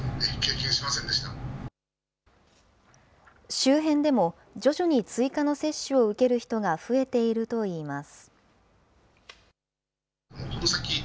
周辺でも徐々に追加の接種を受ける人が増えているといいます。